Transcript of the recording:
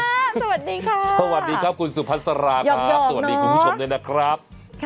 สวัสดีค่ะสวัสดีครับคุณสุพัสราครับสวัสดีคุณผู้ชมด้วยนะครับ